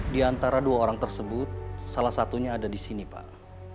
di antara dua orang tersebut salah satunya ada di sini pak